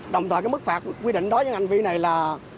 đồng thời cái mức phạt quy định đối với hành vi này là